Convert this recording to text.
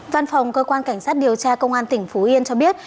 văn phòng cơ quan cảnh sát điều tra công an tỉnh phú yên cho biết